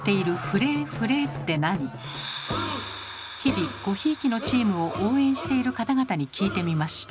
日々ごひいきのチームを応援している方々に聞いてみました。